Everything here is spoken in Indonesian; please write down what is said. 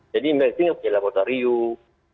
jadi mersi tidak punya laboratorium